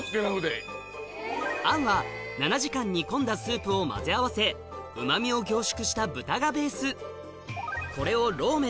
餡は７時間煮込んだスープを混ぜ合わせうまみを凝縮した豚がベース